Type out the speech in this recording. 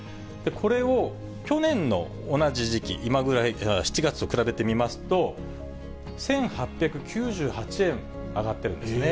これを去年の同じ時期、今ぐらい、７月と比べてみますと、１８９８円上がってるんですね。